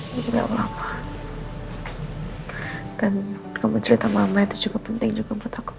hai juga lama kan kamu cerita mama itu juga penting juga bertangkap